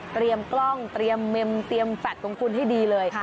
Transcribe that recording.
เตรียมกล้องเตรียมเม็มเตรียมแฟตตรงคุณให้ดีเลย